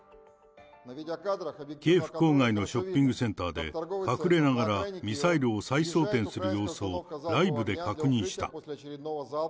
キエフ郊外のショッピングセンターで、隠れながらミサイルを再装填する様子をライブで確認した。